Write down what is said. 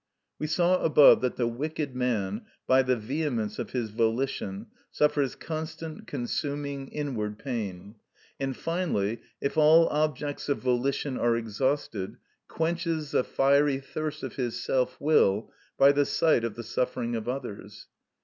We saw above that the wicked man, by the vehemence of his volition, suffers constant, consuming, inward pain, and finally, if all objects of volition are exhausted, quenches the fiery thirst of his self will by the sight of the suffering of others.